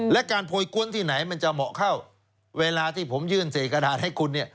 และการโพยกวนที่ไหนมันจะเหมาะเข้าเวลาที่ผมยื่นเศษกระดาษให้คุณเนี่ย